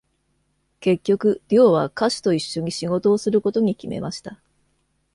結局、デュオは歌手と一緒に仕事をすることに決めました。